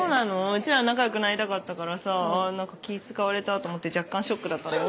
うちらは仲良くなりたかったからさ何か気使われたと思って若干ショックだったんだよね。